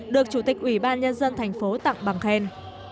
được chủ tịch ủy ban nhân dân thành phố tặng bằng khen